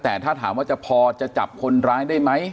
แต่ถ้าถามว่าจะพอจะจับคนร้ายได้ไหม